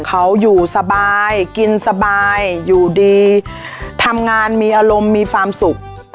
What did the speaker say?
เขาอยู่สบายกินสบายอยู่ดีทำงานมีอารมณ์มีความสุข